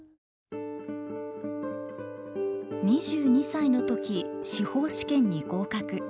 ２２歳の時司法試験に合格。